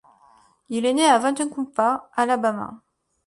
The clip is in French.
Il est né à Wetumpka, Alabama.